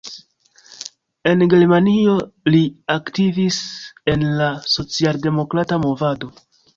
En Germanio li aktivis en la socialdemokrata movado.